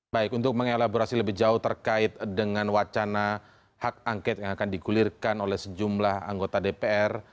baik untuk mengelaborasi lebih jauh terkait dengan wacana hak angket yang akan digulirkan oleh sejumlah anggota dpr